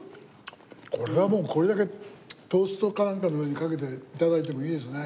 これはもうこれだけトーストかなんかの上にかけて頂いてもいいですね。